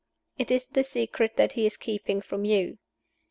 It is the secret that he is keeping from You.